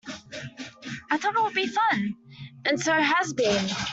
I thought it would be fun. And so it has been.